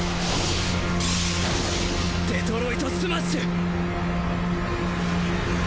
デトロイト・スマッシュ！